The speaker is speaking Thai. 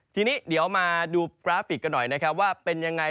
ทีนี้เดี๋ยวมาดูกราฟิกกันหน่อยว่าเป็นอย่างไร